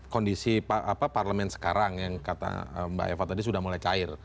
kondisi parlemen sekarang yang kata mbak eva tadi sudah mulai cair